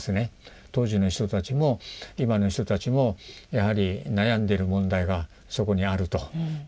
当時の人たちも今の人たちもやはり悩んでる問題がそこにあると。